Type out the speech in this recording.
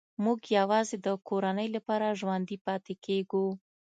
موږ یوازې د کورنۍ لپاره ژوندي پاتې کېږو